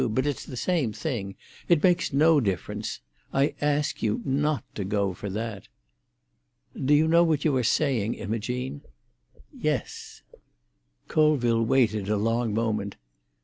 But it's the same thing. It makes no difference. I ask you not to go for that." "Do you know what you are saying, Imogene?" "Yes." Colville waited a long moment.